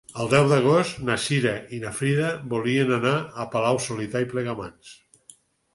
El deu d'agost na Cira i na Frida voldrien anar a Palau-solità i Plegamans.